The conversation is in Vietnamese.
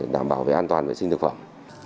đảm bảo về an toàn vệ sinh thực phẩm